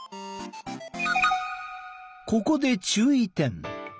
ここで注意点！